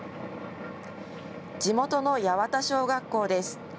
地元の八幡小学校です。